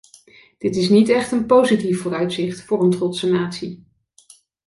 Dit is niet echt een positief vooruitzicht voor een trotse natie.